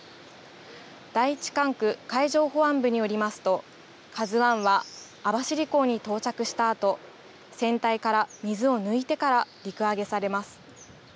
第１管区海上保安部によりますと、ＫＡＺＵＩは網走港に到着したあと、船体から水を抜いてから陸揚げされます。